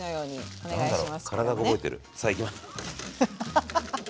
お願いします。